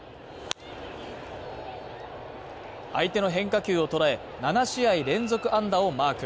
相手の変化球を捉え７試合連続安打をマーク。